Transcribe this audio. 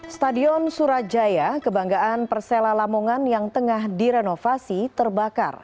stadion surajaya kebanggaan persela lamongan yang tengah direnovasi terbakar